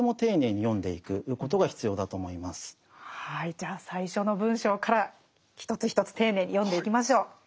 じゃあ最初の文章から一つ一つ丁寧に読んでいきましょう。